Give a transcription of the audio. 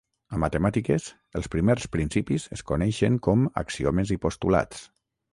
A matemàtiques, els primers principis es coneixen com axiomes i postulats.